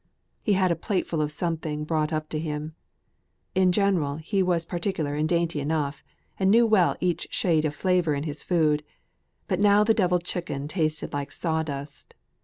He had a plateful of something brought up to him. In general, he was particular and dainty enough, and knew well each shade of flavour in his food, but now the devilled chicken tasted like sawdust.